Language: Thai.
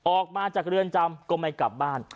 ออกมาจากเรือนจำก็ไม่กลับบ้าน